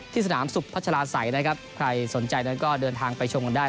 สนามสุขพัชลาศัยนะครับใครสนใจนั้นก็เดินทางไปชมกันได้